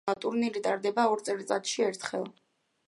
ტურნირი ტარდება ორ წელიწადში ერთხელ.